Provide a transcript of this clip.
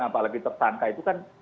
apalagi tersangka itu kan